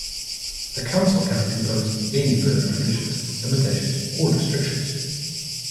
The council cannot impose any further conditions, limitations or restrictions.